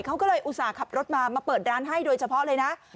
เขาก็เลยอุตส่าห์ขับรถมามาเปิดร้านให้โดยเฉพาะเลยนะ